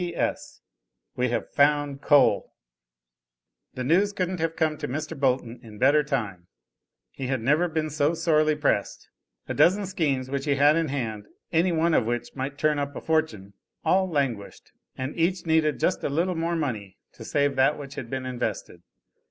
"P. S. We have found coal." The news couldn't have come to Mr. Bolton in better time. He had never been so sorely pressed. A dozen schemes which he had in hand, any one of which might turn up a fortune, all languished, and each needed just a little more money to save that which had been invested.